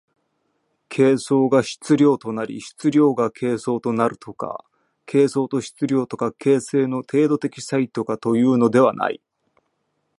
形相が質料となり質料が形相となるとか、形相と質料とか形成の程度的差異とかというのではない。